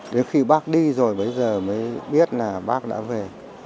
thì bác đi rồi bấy giờ mới biết là bác đã về